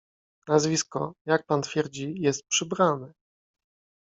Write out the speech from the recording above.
"Nazwisko, jak pan twierdzi, jest przybrane."